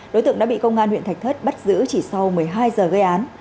đối tượng đã bị công an huyện thạch thất bắt giữ chỉ sau một mươi hai giờ gây án